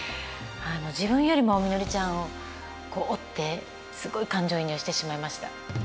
自分よりもみのりちゃんを追ってすごい感情移入してしまいました。